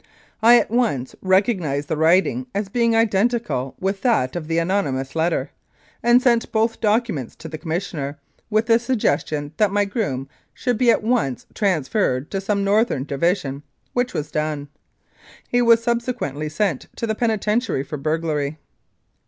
I at once recognised the writing as being identical with that of the anonymous letter, and sent both documents to the Commissioner, with the suggestion that my groom should be at once trans ferred to some northern division, which was done. He was subsequently sent to the penitentiary for burglary.